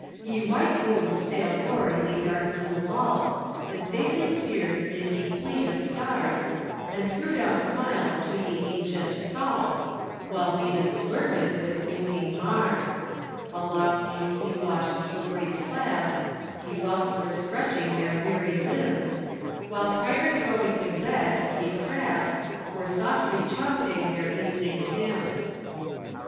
Ye white moon sailed o'er ye dark blue vault, And safely steered mid ye fleet of starres, And threw down smiles to ye antient salt, While Venus flyrtede with wynkynge Mars. Along ye sea washed slipperie slabbes Ye whelkes were stretchynge their weary limbs, While prior to going to bedde ye crabbes Were softlie chaunting their evenynge hymnes."